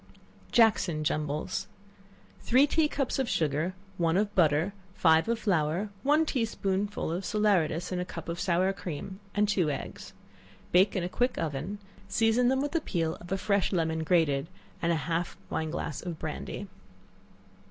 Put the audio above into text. Jackson Jumbles. Three tea cups of sugar, one of butter, five of flour, one tea spoonful of salaeratus in a cup of sour cream and two eggs; bake in a quick oven; season them with the peel of a fresh lemon grated, and half a wine glass of brandy.